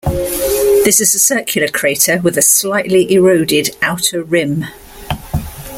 This is a circular crater with a slightly eroded outer rim.